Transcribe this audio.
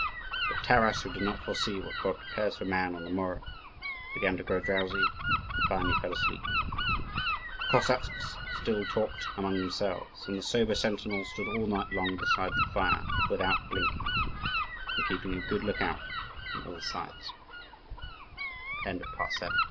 But Taras, who did not foresee what God prepares for man on the morrow, began to grow drowsy, and finally fell asleep. The Cossacks still talked among themselves; and the sober sentinel stood all night long beside the fire without blinking and keepi